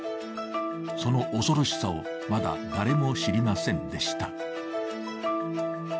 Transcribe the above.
その恐ろしさをまだ誰も知りませんでした。